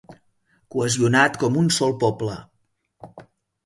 Cohesionat com un sol poble.